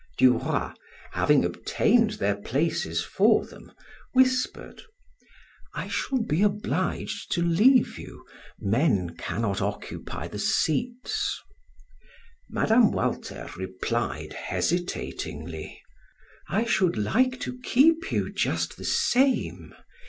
Du Roy, having obtained their places for them, whispered: "I shall be obliged to leave you; men cannot occupy the seats." Mme. Walter replied hesitatingly: "I should like to keep you, just the same.